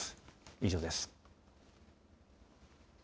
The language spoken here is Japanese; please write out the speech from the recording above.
以上です。